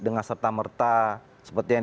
dengan serta merta seperti yang